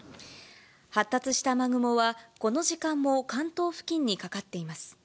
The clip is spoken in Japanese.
発達した雨雲は、この時間も関東付近にかかっています。